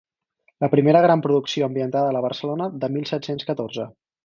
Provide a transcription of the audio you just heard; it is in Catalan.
La primera gran producció ambientada a la Barcelona de mil set-cents catorze.